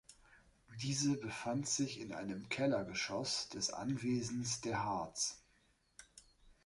Diese befand sich in einem Kellergeschoss des Anwesens der Harts.